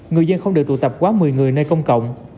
người dân không được tụ tập quá một mươi người nơi công cộng